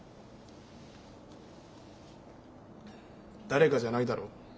「誰か」じゃないだろ？